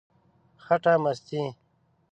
خټه مستې،